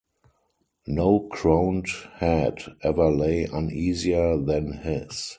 No crowned head ever lay uneasier than his.